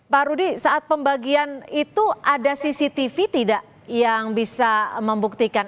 pak rudy saat pembagian itu ada cctv tidak yang bisa membuktikan